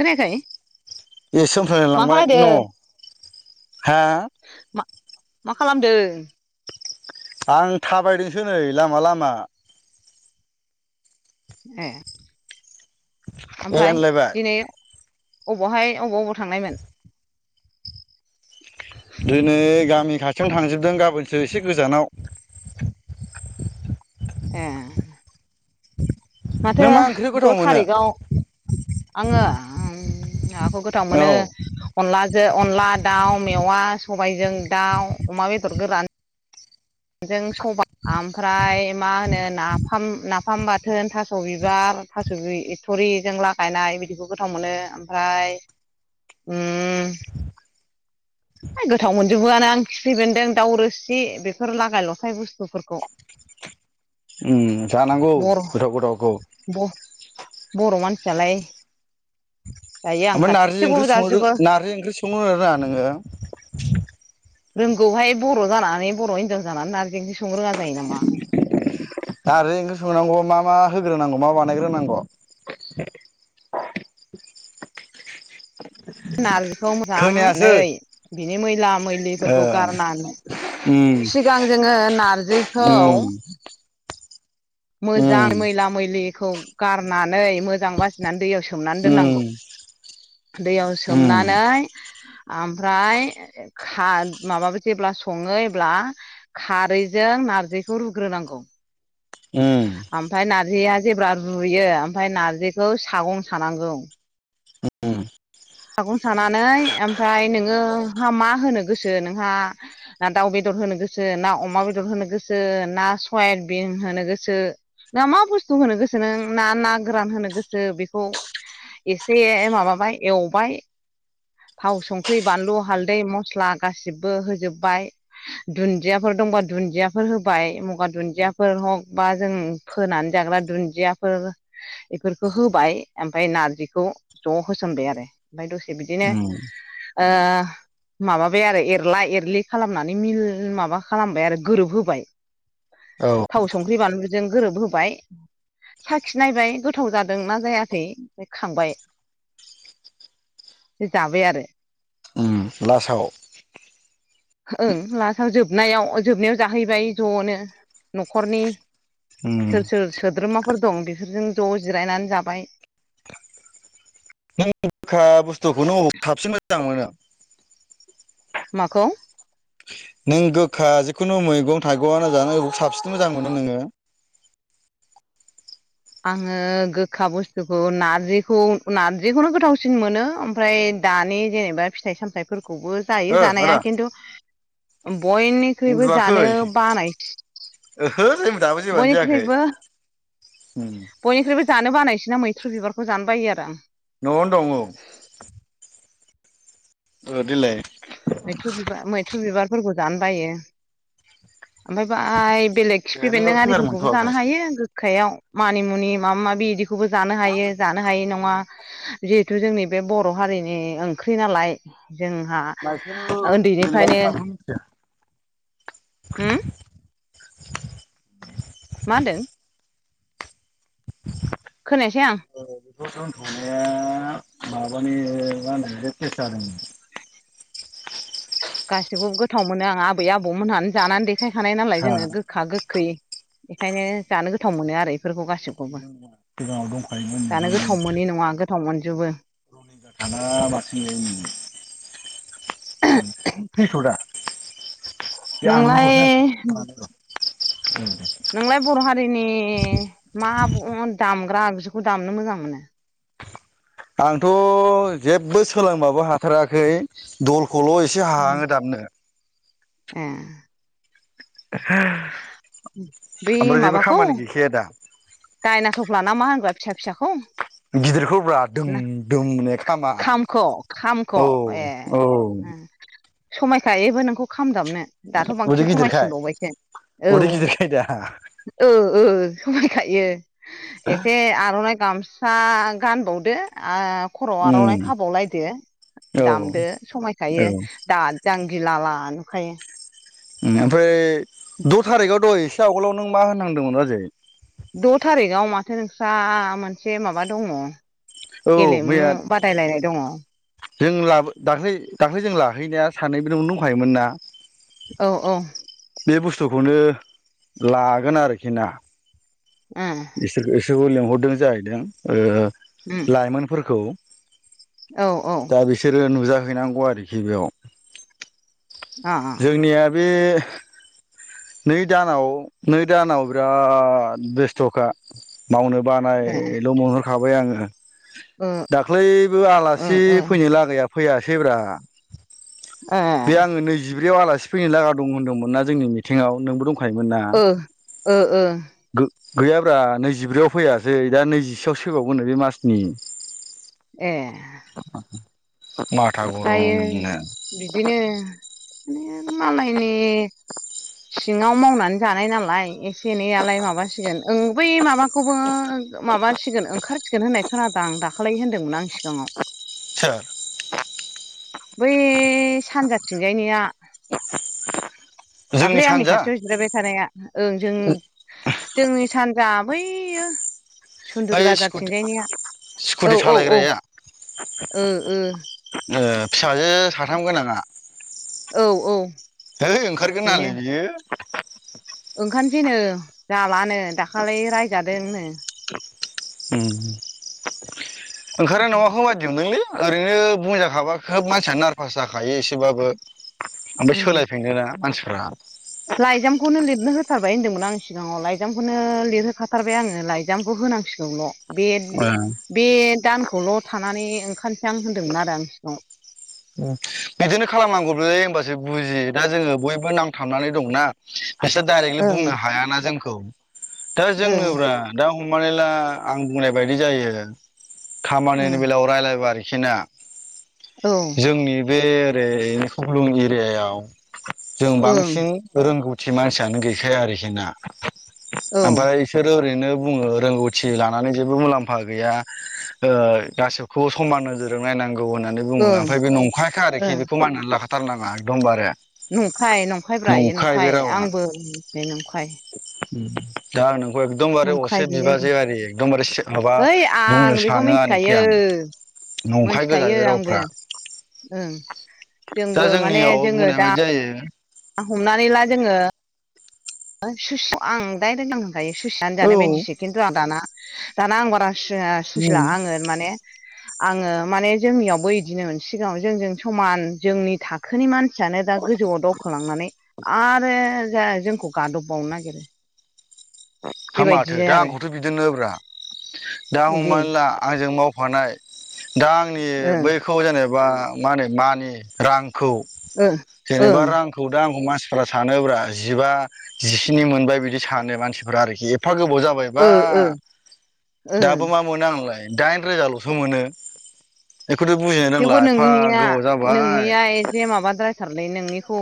खोनायाखै? एसो मा होनफलांयलांबाय न' खालायदों हा मा मा खालामदों? आं थाबायदोंसो नै लामा लामा। ए ओमफ्राय एनलायबाय दिनै अबावहाय अबाव अबाव थांनायमोन? दिनै गामि खाथियावनो थांजोबदों। गाबोनसो एसे गोजानाव। ए [inaudible] माथो नों मा ओंख्रि द' गोथाव मोनो थारिखआव आङो उम नाखौ गोथाव औ मोनो अनला जो अनला दाउ मेवा सबायजों दाउ अमा बेदर गोरान। जों सबाय आमफ्राय मा होनो नाफाम, नाफाम बाथोन थास' बिबार, थास' एथ'रिजों लागायनाय। दिनिखौबो गोथाव मोनो ओमफ्राय उम होय गोथाव मोन जोबोआनो आं खिफै बेन्दों दाउ रोसि बेफोर लागाय लखाय बुस्थुफोरखौ। उम जानांगौ बर' गोथाव गथावखौ बर' मानसियालाय दायो आं ओमफ्राय नारजि गासिखौबो ओंख्रि संनो जाजोबो नारजि ओंख्रि संनो रोङो ना नोङा नोङो। रोंगौहाय बर' जानानै बर' हिनजाव जानानै नारजि ओख्रि संनो रोङा जायो नामा। नारजि ओंख्रि संनांगौ मा मा होग्रोनांगौ मा बानायग्रोनांगौ? [inaudible] नारजिखौ मोजां नै खोनायासै बिनि मैला ओ मैलिफोरखौ गारनानै उम सिगां जोङो नारजिखौ उम मोजां उम मैला मैलिखौ गारनानै मोजां बासिनानै दैयाव सो सोमनानै दोननांगौ। उम दैयाव उम सोमनानै ओमफ्राय खा माबाबो जेब्ला सङो अब्ला खारैजों नारजिखौ रुग्रोनांगौ। उम ओमफाय नारजिया जेब्ला रुयो ओमफ्राय नार्जिखौ सागं सानांगौ। उम सागं सानानै ओमफाय नोङो हा मा होनो गोसो नोंहा दाउ बेदर बो होनो गोसो ना अमा बेदर होनो गोसो ना सयबिन होनो गोसो ना मा बुस्तु होनो गोसो नों ना ना गोरान होनो गोसो बेखौ एसे माबाबाय एवबाय। थाव संख्रि बानलु हालदै मस्ला गासिबो होजोब्बाय दुन्दियाफोर दं दंबा दुन्दियाफोर होबाय मगा दुन्दियाफोर हग बा जों फोनानै जाग्रा दुन्दियाफोर ओ इफोरखो होबाय ओमफाय नारजिखौ ज' होसनबाय आरो। ओमफाय दसे बिदिनो उम ओ माबाबाय आरो एरला एरलि खालामनानै मिल माबा खालामबाय आरो गोरोबहोबाय। औ थाव संख्रि बानलुजों गोरोब होबाय। साखि नायबाय गोथाव जादोंना जायाखै ओ खांबाय। [inaudible] ओ जाबाय आरो। लासाव। ओं लासाव जोबनायाव-जोबनायाव जाहैबाय ज'नो न'खरनि उम सोर-सोर सोद्रोमा फोर दं बेफोरजों ज' जिरायनानै जाबाय। नों गोखा बुस्थुखौनो [unintelligible] माखौ नों गोखा जिखुनु मैगं [unintelligible] जानो अब साबसिन मोजां मोनो नोङो। आङो गोखा बुस्थुखौ नारजिखौ नारजिखौनो गोथावसिन मोनो ओमफ्राय दानि जेनेबा फिथाइ सामथाइफोरखौबो जायो आदा जानाया किन्तु ओम बयनिख्रुइबो उन्दुवाखै जानो बानायस ओहो जों दाबो जेबेआनो जायाखै। उम बयनिख्रुइबो जानो बानायसिना मैथ्रु बिबारखौ जानो बायो आरो आं। न'आवनो दङ औ। ओ देलाय मैथ्रु बिबार-मैथ्रु बिबारफोरखौ जानो बायो। ओमफाय बाय बेलेग खिफि बेन्दों नोंनाबो खोनानो आरिफोरखौबो मोनथ'वाखै जानो हायो गो खायाव मानि मुनि माव माबि इदिखौबो जानो हायो जानो हायि नङा [unintelligible] जिहेथु जोंनि बे बर' हारिनि ओंख्रि नालाय जोंहा नाइखेल जेनेबा नों ओन्दैनिफ्रायनो माखौ मिथिया होम [unintelligible] मा होनदों खोनायासै आं। खौ दोनथ'नाया माबानि मानो [unintelligible] [inaudible] गासिबो गोथाव मोनो आं आबै आबौ मोनहानो जानानै देखायखानाय नालाय जोंनो गोखा गोखै। इखायनो जानो गोथाव मोनो आरो। फोरखौ गासिबखौबो सिगाङाव दंखायोमोन जानो नोंथांनि गोथाव मोनि नङा गोथाव मोनजोबो। [unintelligible] नोंलाय [unintelligible] नोंलाय बर' हारिनि मा ब दामग्रा आगजुखौ दामनो मोजां मोनो। आंथ' जेब्बो सोलोंबाबो हाथाराखै दल खल' एसे हाहाङो दामनो। ए। ओह ओमफ्राय जेबो खामानि गैखाया दा। दायनाथफ्ला ना मा होनग्रा फिसा फिसाखौ। गिदिरखौ ब्रा दों ना दोम ने खामा खामखौ औ औ। ओ समायखायोबो नोंखौ खाम दामनो। दाथ' उदै बांसिन गिदिरखाय समायसिनबावबायसो औ उदै गिदिरखाय दा ओ ओ समाय खायो एसे आर'नाइ गामसा गानबावदो आ खर' उम आर'नाइ खाबावलायदो औ दामदो औ समायखायो दा जांगिला ला नुखायो। ओमफ्राय द थारिखआव दहाय एसे आवगोलाव नों मा होनहांदोंमोन बाजै द थारिखआव माथो नोंस्रा मोनसे माबा दंङ? औ मैया औ जों लाबो दाख्लै दाख्लै जों लाहैनाया सानैबो नोंबो दंखायोमोन ना? औ औ बे बुस्थुखौनो लागोन आरोखि ना। उम बिसोर बिसोरखौ लिंहरदों जाहैदों उम लाइमोनफोरखौ औ औ दा बिसोरो नुजाहैनांगौ आरोखि बेयाव अ जोंनिया बे नै दानाव नै दानाव बिराद बेस्थ'खा मावनो बानायल मोनहरखाबाय आंङो ओ दाख्लैबो ओ आलासि ओ फैनो लागाया फैयासैब्रा। ए बे आंङो नैजिब्रैयाव आलासि फैनो लागा दं होनदोंमोन ना जोंनि मिथिंआव नोंबो दंखायोमोन ना? ओ ओ गो गैयाब्रा नैजिब्रैयाव फैयासै दा नैजिसेआव फैबावगोन नो बे मासनि। ए माथा जायो गरमनो बिदिनो मालायनि सिङाव मावनानै जानाय नालाय एसे एनैआलाय माबासिगोन ओं बै माबाखौबो माबासिगोन ओंखारसिगोन होननाय खोनादों आं दाखाै होनदोंमोन आं सिगाङाव सोर? बै सानजाथिंजायनिया जोंनि दाख्लै आंनि सानजा खाथियाव जिरायबाय थानाया ओं जों जोंनि सानजा बैयो सुन्दुरि ओइ स्कुटि बाजारथिंजायनिया औ स्कुटि औ औ। सालायग्राया ओ ओ ओ फिसाजो साथाम गोनांङा? औ औ है ओंखारगोन नालै बियो। ओंखार सैनो जालानो दाखालि रायजादोंनो। ओंखारनाय नङाखौ बायदि मोनदोंलै। ओरैनो बुंजाखाबा खोब मानसिया नारभास जाखायो एसेबाबो। ओमफ्राय उम सोलायफिनोना मानसिफ्रा लाइजामखौनो लिरनो होथारबाय होन्दोंमोन आं सिगाङाव लाइजामखौनो लिरहोखाथारबाय आंङो लाइजामखौ हो होनांसिगौल बे बे दानखौल थानानै ओंखारनोसै आं होनदोंमोन आरो आं सिगाङाव। बिदिनो खालामनांगौ बोलै होनबासो सो बुजियो दा जोंङो बयबो नांथाबनानै दंना बिसोर डाइरेक्टलि बुंनो हायाना जों खौ दा ओं जोंनोब्रा दा हमनानै ला आं बुंनाय बायदि जायो खामानिनि बेलायाव रायलायबा आरोखिना। ओं जोंनि बे ओरै खख्लुं एरियायाव जों औ ओं बांसिन रोंगौथि मानसियानो गैखाया आरोखिना। औ ओमफ्राय बिसोरो ओरैनो बुङो रोंगौथि लानानै जेबो मुलाम्फा गैया गासिखौबो समान नोजोरजों नायनांगौ गौ नौ होननानै बुङो ओं ओमफ्राय बे नंखायाखा आरोखि ओं बेखौ माननानै लाखाथारनाङा एखदम बारे नंखाय नंखाय ब्रा इयो नंखाय रावा आंबो [inaudible] नंखाय। दा नों एखदमबारे असे नंखाय बेयो बिबाजै आरि एखदमबारे माबा ओइ बुंनो आं बेखौ सानो आनोखि मिथिखायो आं नंखाय गोजा मोनथिखायो बे आंबो रावफ्रा ओं दा जोंबो माने जोंनियाव जोङो दा बुंनायबायदि जायो हमनानै ला जोङो सुइसि आं डाइरेक्ट आं होनखायो सुइसियानो औ जानाय बायदिसो खिन्थु आं दाना दाना आं बारा [unintelligible] उम सुइसिला [unintelligible] आङो माने आङो माने जोंनियावबो बिदिनो सिगाङाव जोंजों समान जोंनि थाखोनि मानसियानो दा गोजौआव दावखोलांनानै आरो जा जोंखौ गादब बावनो नागिरो। हा बेबायदि माथो दा आरो आंखौथ' बिदिनो ब्रा दा बिदि हमनानै ला आंजों मावफानाय दा आंनि ओं बैखौ जेने बा मा होनो मानि रांखौ ओं जेनेबा ओं रांखौ दा आं हमनां फोरा सानोब्रा जिबा जिस्नि मोनबाय बिदि सानो मानसिफोरा आरोखि एफा गोबाव जाबाय बा ओ ओ ओं दाबो मा मोनो आंलाय दाइन रोजाल'सो मोनो। बेखौथ' बुजिनो रोंला थेवबो एफा नोंनिया गोबाव जाबाय नोंनिया एसे माबाद्राय थारलै नोंनिखौ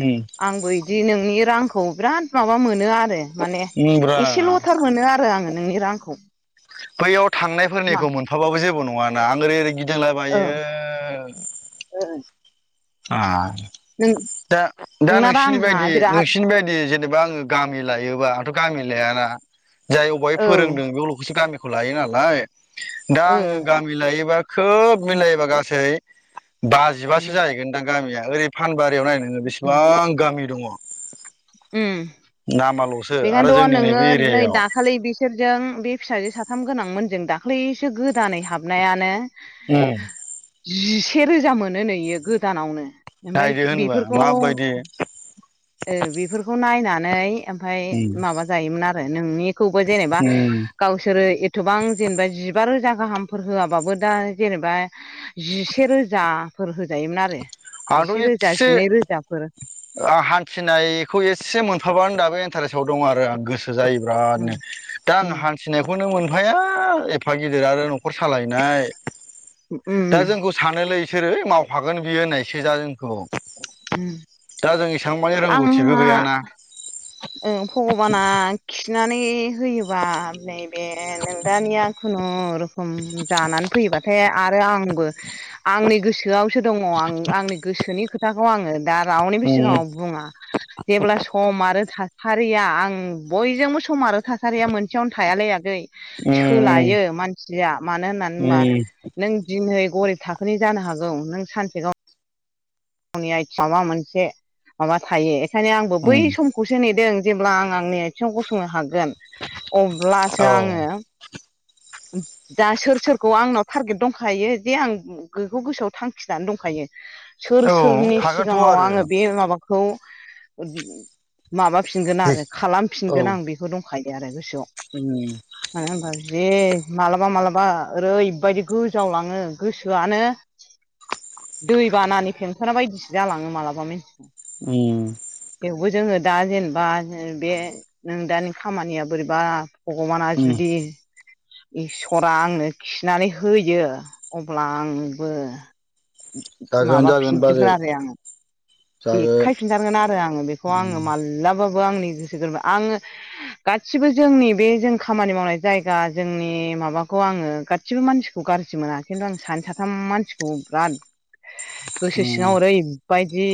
उम आंबो इदि नोंनि रांखौ बिराद माबा मोनो आरो माने उमब्रा एसेल'थार मोनो आरो आङो नोंनि रांखौ। बैयाव मा थांनायफोरनिखौ मोनफाबाबो जेबो नङा ना आं ओरै ओरै गि दिंला औ बायो आ नों दा दा नोंना नोंसिनि रांहा बायदि बिराद नोंसिनि बायदि जे नेबा आङो गामि लायोबा आंथ' गामि लायाना जाय अबेहाय औ ओ फोरोंदों बेयावल'खोसो गामि खौ लायो नालाय दा आङो गामि लायोबा खोब उम मिलायोबा गासै बाजिबासो जाहैगोन दां गामिया ओरै फानबारियाव नाय नोङो उम बेसेबां गामि दङ'। उम नामाल'स बेखायनोथ' नोङो नै दाखालै बिसोरजों बे फिसाजो साथाम गोनांमोन जों दाख्लैसो गोदानै हाबनायानो उम। जिसे रोजा मोनोनो इयो गोदानावनो ओमफ्राय नायदो होनबा बेफोरखौ माबायदि ओ बेफोरखौ नायनानै ओमफाय उम माबा जायोमोन आरो नोंनि खौ बा जेनेबा उम गावसोरो एथबां जेनबा जि बा रोजा गाहामफोर होआबाबो दा जेनेबा जिसे रोजाफोर होजायोमोन आरो जिसे रोजा आगोलनिखौसो जिनै रोजाफोर ओ हान थिनायखौ एसे मोनफाबानो दाबो इन्थारेसआव दं आरो आं गो जायो बिरादनो। उम दा आं उम हान्थिनायखौनो मोन फाया एफा गिदिर आरो न'खर सालायनाय दा उम जोंखौ सानोलै बिसोरो मावफागोन बियो होननायसो [unintelligible] जों औ उम दा जों एसां मानि रोंगौथिबो आंहा गैयाना। ओ भगबाना खिथिना नै होयोबा नैबे नोंदानिया खुनुरुखुम जानानै फैयोबा थाय आरो आंबो आंनि गोसोआवसो दङ' आं आंनि गोसोनि खोथाखौ आङो दा रावनिबो उम सिगाङाव बुङा जेब्ला सम आरो थासारिया आं बयजोंबो सम आरो थासारिया मोनसेयावनो थायालै आगै। उम सोलायो मानसिया मानो होनना [unintelligible] बा उम नों दिनै गरिब थाखोनि जानो हागौ नों सानसे गाव [unintelligible] माबा मोनसे माबा थायो बेखायनो आंबो बै उम समखौसो नेदों जेब्ला आं आंनि आथिङाव गसंनो हागोन औ अब्लासो आङो दा सोर सोरखौ आंनाव थारगेट दंखायो जे आं [unintelligible] बेखौ गोसोआव थांखिनानै दंखायो। सोर औ सोरनि हागोनथ' सिगाङाव आरो आङो बे माबाखौ माबाफिनगोन आरो औ खालामफिनगोन आं बेखौ दंखायो आरो गोसोआव। उम मानो होनबा जे मालाबा मालाबा ओरैबायदि गोजावलाङो गोसोआनो दै बानानि फेंफोना बायदिसो जालाङो मालाबा [unintelligible] उम। थेवबो जोङो दा जेनेबा बे नोंदानि खामानिया बोरैबा भगबाना उम जुदि इसरा आंनो खिनानै होयो अब्ला आंबो जागोन जागोन माबाफिनजोबगोन बाजै आरो आङो जागोन देखायफिनथारगोन आरो आङो बेखौ आङो मालाबाबो आंनि गोसो गोरबो आङो गासिबो जोंनि बे जों खामानि मावनाय जायगा जोंनि माबाखौ आङो गासिबो मानसिखौ गाज्रि मोना खिन्थु आं सानै साथाम मानसिखौ बिराद गोसो सिङाव ओरैबायदि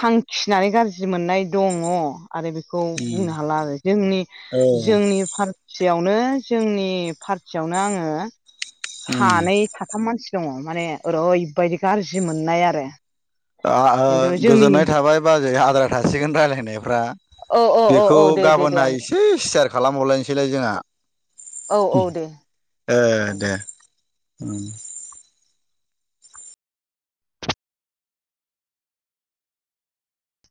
थांखिनानै गाज्रि मोननाय दङ' । आरो बेखौ बुंनो हाला आरो जोंनि औ जोंनि फार सेयावनो जोंनि पार्टियावनो आङो सानै साथाम मानसि दङ' माने ओरैबायदि गाज्रि मोननाय आरो ओ खिन्थु जोंनि गोजोननाय थाबाय बाजै आद्रा थासिगोन रायलायनायफ्रा औ औ औ बेखौ औ दे दे दे गाबोनहाय आगै एसे सियार खालामहरलायनोसैलाय जोंहा औ औ दे ओ दे उम ।